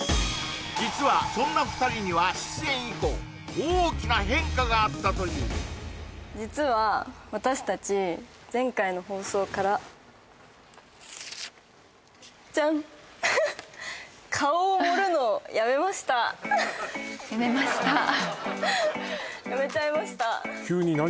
実はそんな２人には出演以降大きな変化があったという実は私達前回の放送からジャン顔を盛るのをやめました